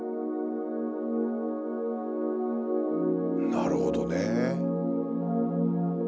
なるほどね。